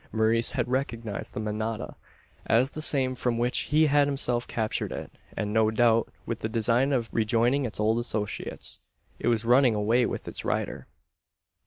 Maurice had recognised the manada, as the same from which he had himself captured it: and, no doubt, with the design of rejoining its old associates, it was running away with its rider!